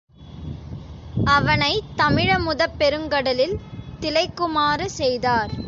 அவனைத் தமிழமுதப் பெருங்கடலில் திளைக்குமாறு செய்தார்.